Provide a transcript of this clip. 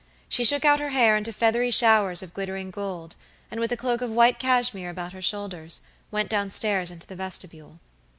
She shook out her hair into feathery showers of glittering gold, and, with a cloak of white cashmere about her shoulders, went down stairs into the vestibule.